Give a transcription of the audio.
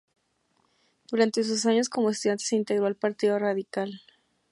Durante sus años como estudiante se integró al Partido Radical.